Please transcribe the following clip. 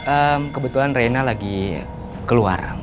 eh kebetulan reina lagi keluar